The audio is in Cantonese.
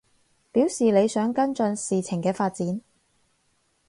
表示你想跟進事情嘅發展